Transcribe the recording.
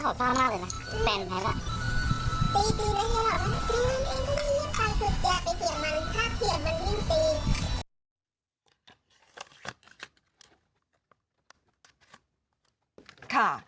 คือแจ้ไปเกลียดมันถ้าเกลียดมันยิ่งตี